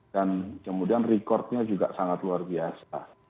kemudian rekodnya juga sangat luar biasa